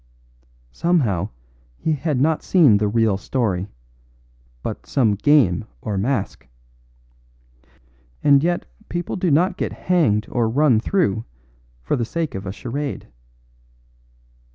Somehow he had not seen the real story, but some game or masque. And yet people do not get hanged or run through the body for the sake of a charade.